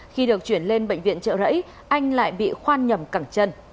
khi được chuyển lên bệnh viện trợ rẫy anh lại bị khoan nhầm cẳng chân